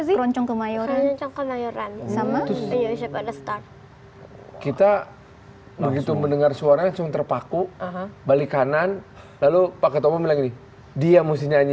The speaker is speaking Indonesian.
zikronceng kemayoran sama kita begitu mendengar suara yang terpaku balik kanan lalu pakai dia musik